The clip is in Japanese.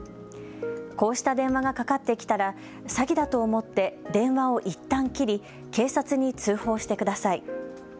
こうした電話がかかってきたら詐欺だと思って電話をいったん切り、警察に通報してください。